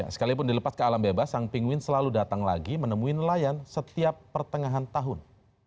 sekalipun dilepas ke alam bebas sang pingwin selalu datang lagi menemui nelayan setiap pertengahan tahun